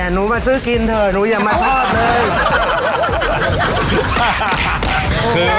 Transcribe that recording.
หนูมาซื้อกินเถอะหนูอย่ามาทอดเลย